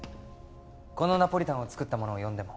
このナポリタンを作った者を呼んでも？